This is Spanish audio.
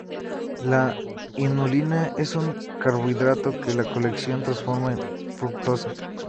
La inulina es un carbohidrato que la cocción transforma en fructosa.